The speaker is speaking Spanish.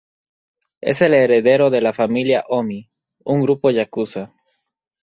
Es el heredero de la familia Ōmi, un grupo yakuza.